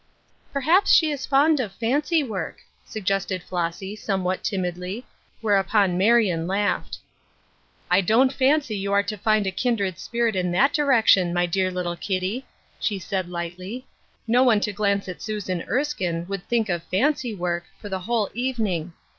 "Perhaps she is fond of fancy work," sug gested Flossy, somewhat timidly; whereupon Marion laughed. " I don't fancy you are to find a kindred spirit in that direction, my dear little Kittie !*' she said, lightly. " No one to glance at Susan Erskine wwld'* think of fancy work, for the whole evening.